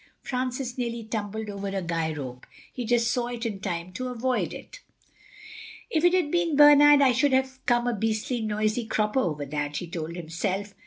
Francis nearly tumbled over a guy rope; he just saw it in time to avoid it. "If I'd been Bernard I should have come a beastly noisy cropper over that," he told himself.